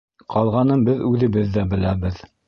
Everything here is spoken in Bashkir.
Ҡалғанын беҙ үҙебеҙ ҙә беләбеҙ.